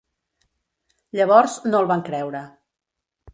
Llavors, no el van creure.